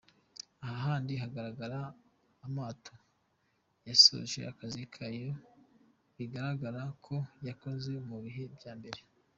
Aha kandi hagaragara amato yasoje akazi kayo bigaragara ko yakoze mu bihe bya mbere.